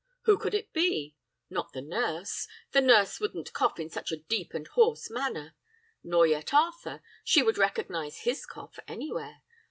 "Who could it be? Not the nurse! The nurse wouldn't cough in such a deep and hoarse manner! nor yet Arthur; she would recognise his cough anywhere.